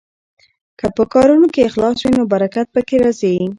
که په کارونو کې اخلاص وي نو برکت پکې راځي.